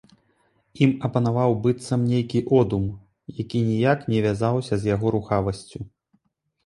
Ім апанаваў быццам нейкі одум, які ніяк не вязаўся з яго рухавасцю.